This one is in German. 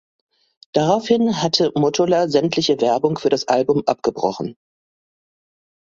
Daraufhin hatte Mottola sämtliche Werbung für das Album abgebrochen.